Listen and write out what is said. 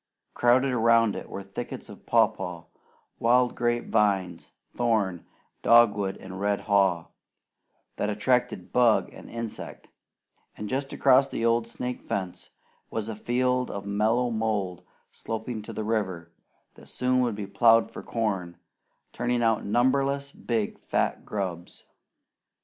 Crowded around it were thickets of papaw, wild grape vines, thorn, dogwood, and red haw, that attracted bug and insect; and just across the old snake fence was a field of mellow mould sloping to the river, that soon would be plowed for corn, turning out numberless big fat grubs.